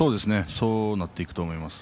そうなっていくと思います。